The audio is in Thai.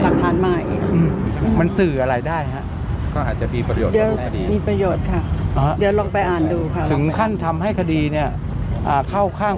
การฟ้องคุณแม่ให้ฟังเสียง